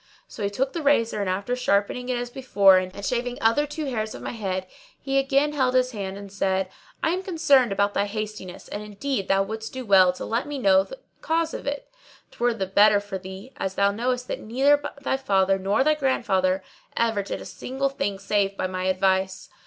So he took the razor and, after sharpening it as before and shaving other two hairs of my head, he again held his hand and said, "I am concerned about thy hastiness and indeed thou wouldst do well to let me into the cause of it; 't were the better for thee, as thou knowest that neither thy father nor thy grandfather ever did a single thing save by my advice."